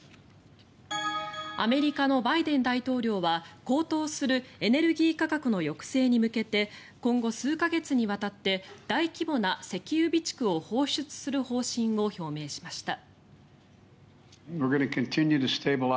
アメリカのバイデン大統領は高騰するエネルギー価格の抑制に向けて今後数か月にわたって大規模な石油備蓄を放出する方針を表明しました。